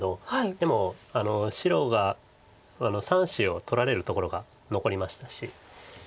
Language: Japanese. でも白が３子を取られるところが残りましたし。